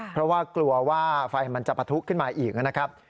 เพราะว่ากลัวว่าไฟมันจะปะทุขึ้นมาอีกนะครับ